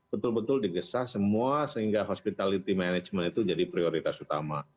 betul betul digesah semua sehingga hospitality management itu jadi prioritas utama